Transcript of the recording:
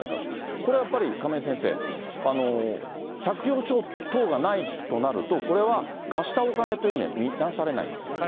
これはやっぱり亀井先生、借用書等がないとなると、これは貸したお金というふうには見なされないんですか？